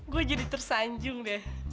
gue jadi tersanjung deh